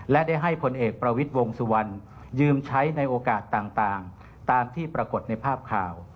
และได้ให้ผลเอกประวิทย์วงสุวรรณยืมใช้ในโอกาสต่างตามที่ปรากฏในภาพข่าว